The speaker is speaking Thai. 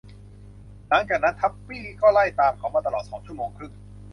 หลังจากนั้น ทับปี้ก็ไล่ตามเขามาตลอดสองชั่วโมงครึ่ง